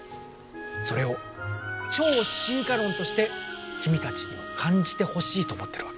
それを「超進化論」として君たちにも感じてほしいと思ってるわけ。